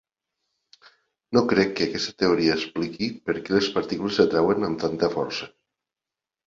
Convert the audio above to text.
No crec que aquesta teoria expliqui per què les partícules s'atrauen amb tanta força.